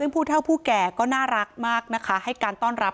ผู้เท่าผู้แก่ก็น่ารักมากนะคะให้การต้อนรับ